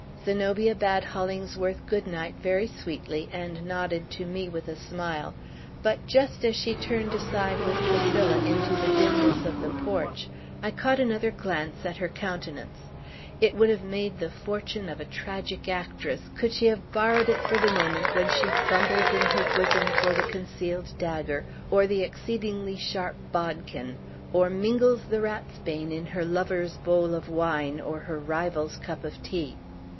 Zenobia bade Hollingsworth good night very sweetly, and nodded to me with a smile. But, just as she turned aside with Priscilla into the dimness of the porch, I caught another glance at her countenance. It would have made the fortune of a tragic actress, could she have borrowed it for the moment when she fumbles in her bosom for the concealed dagger, or the exceedingly sharp bodkin, or mingles the ratsbane in her lover's bowl of wine or her rival's cup of tea.